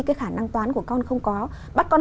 cái khả năng toán của con không có bắt con